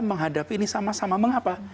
menghadapi ini sama sama mengapa